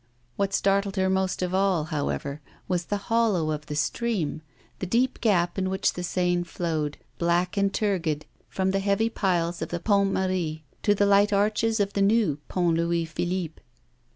What startled her most of all, however, was the hollow of the stream, the deep gap in which the Seine flowed, black and turgid, from the heavy piles of the Pont Marie, to the light arches of the new Pont Louis Philippe.